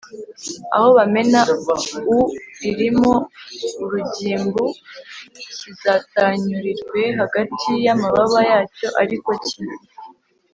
aho bamena u ririmo urugimbu Kizatanyurirwe hagati y amababa yacyo ariko cye